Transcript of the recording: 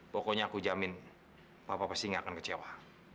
pokoknya aku jamin papa pasti nggak akan kecewa